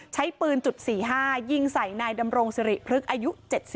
ใช้ปืนจุด๔๕ยิงใส่นายดำรงสิริพฤกษ์อายุ๗๒